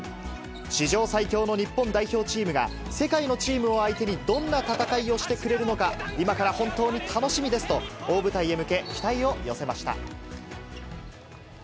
史上最強の日本代表チームが、世界のチームを相手に、どんな戦いをしてくれるのか、今から本当に楽しみですと、大舞台へ向け、期待を寄せました。